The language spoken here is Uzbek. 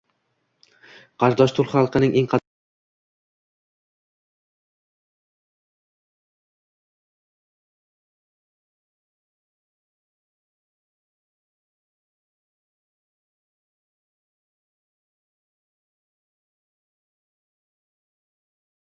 faqat o‘zgaruvchan hayotning namoyon bo‘lishi sifatida shakllantirilishi